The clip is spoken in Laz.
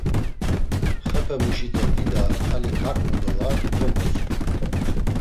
Xepemuşite dida ali kaǩnu do var goǩutsxu.